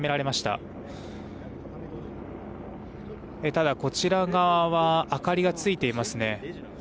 ただ、こちら側は明かりがついていますね。